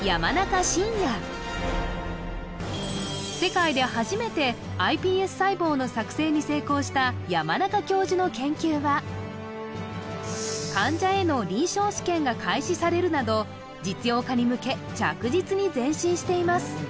世界で初めてｉＰＳ細胞の作製に成功した山中教授の研究は患者への臨床試験が開始されるなど実用化に向け着実に前進しています